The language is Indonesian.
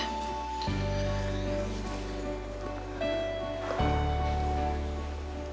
terima kasih sayang